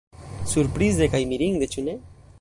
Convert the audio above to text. Surprize kaj mirinde, ĉu ne?